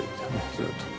ずーっと。